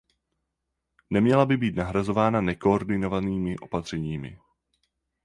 Neměla by být nahrazována nekoordinovanými opatřeními.